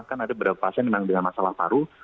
kan ada beberapa pasien memang dengan masalah paru